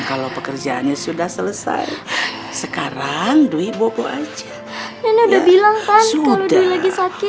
kalau pekerjaannya sudah selesai sekarang dwi bobo aja udah bilang kan sudah sudah